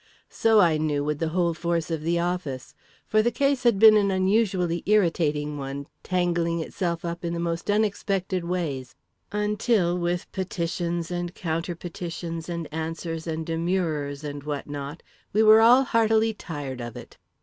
So, I knew, would the whole force of the office, for the case had been an unusually irritating one, tangling itself up in the most unexpected ways, until, with petitions and counter petitions and answers and demurrers and what not, we were all heartily tired of it.